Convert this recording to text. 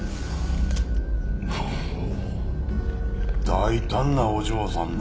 大胆なお嬢さんだ。